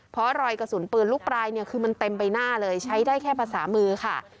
เพราะรอยกระสุนปืนลูกปลายเนี่ยคือมันเต็มใบหน้าเลยใช้ได้แค่ภาษามือค่ะ